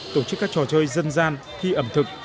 tổ chức các trò chơi dân gian thi ẩm thực